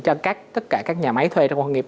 cho tất cả các nhà máy thuê trong công nghiệp